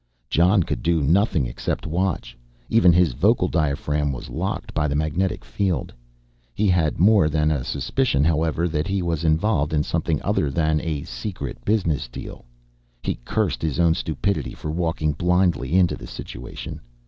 Jon could do nothing except watch, even his vocal diaphragm was locked by the magnetic field. He had more than a suspicion however that he was involved in something other than a "secret business deal." He cursed his own stupidity for walking blindly into the situation.